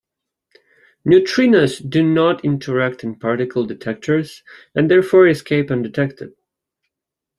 Neutrinos do not interact in particle detectors, and therefore escape undetected.